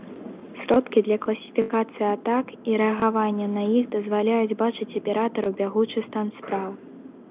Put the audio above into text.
Сродкі для класіфікацыі атак і рэагаванне на іх дазваляюць бачыць аператару бягучы стан спраў.